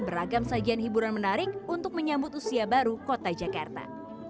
beragam sajian hiburan menarik untuk menyambut usia baru kota jakarta